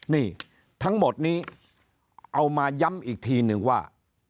นี่ทั้งหมดนี้เอามาย้ำอีกทีนึงว่า